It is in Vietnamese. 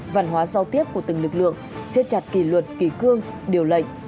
văn hóa giao tiếp của từng lực lượng xếp chặt kỳ luật kỳ cương điều lệnh